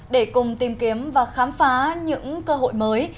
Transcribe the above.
để cùng tìm kiếm và khám phá những cơ hội mới